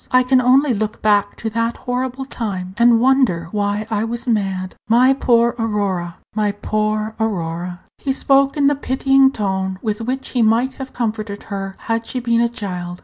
I can only look back to that horrible time, and wonder why I was mad." "My poor Aurora! my poor Aurora!" He spoke in the pitying tone with which he might have comforted her had she been a child.